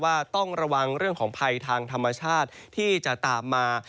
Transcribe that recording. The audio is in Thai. ว่าต้องระวังเรื่องของภัยทางธรรมชาติที่จะตามมา